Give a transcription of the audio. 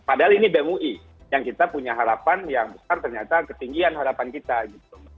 padahal ini bemui yang kita punya harapan yang besar ternyata ketinggian harapan kita gitu